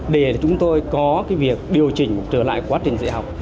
để chúng tôi có cái việc điều chỉnh trở lại quá trình dạy học